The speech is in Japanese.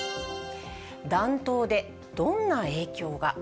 暖冬でどんな影響が？